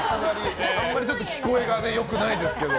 あんまりちょっと聞こえが良くないですけど。